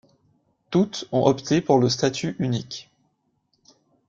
Toutes ont opté pour le statut unique.